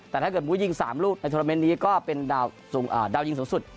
แต่ถ้าเกิดบู้ยิง๓ลูกในโทรเมนต์นี้ก็เป็นดาวยิงสูงสุด